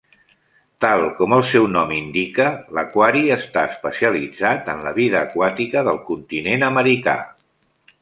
Tal com el seu nom indica, l'aquari està especialitzat en la vida aquàtica del continent americà.